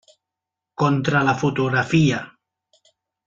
Contra la fotografia.